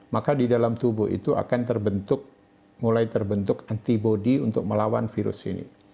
maka di dalam tubuh itu akan terbentuk mulai terbentuk antibody untuk melawan virus ini